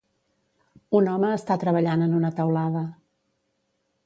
Un home està treballant en una teulada.